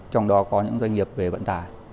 trong đó có những doanh nghiệp về vận tải